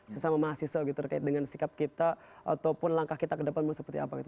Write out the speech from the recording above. sesama mahasiswa gitu terkait dengan sikap kita ataupun langkah kita ke depan mau seperti apa gitu